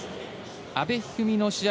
阿部一二三の試合